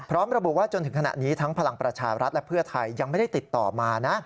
ระบุว่าจนถึงขณะนี้ทั้งพลังประชารัฐและเพื่อไทยยังไม่ได้ติดต่อมานะ